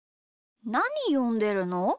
なによんでるの？